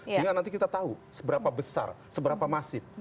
sehingga nanti kita tahu seberapa besar seberapa masif